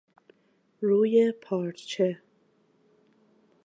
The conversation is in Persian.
روی پارچه